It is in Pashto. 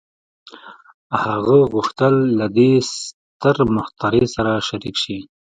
هغه غوښتل له دې ستر مخترع سره شريک شي.